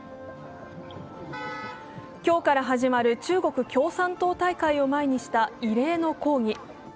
今日から始まる中国共産党大会を前にした異例の抗議。